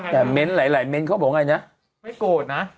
แต่เม้นต์หลายเม้นเขาบอกไงนะไม่โกรธนะ